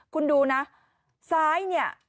คุณดูนะซ้าย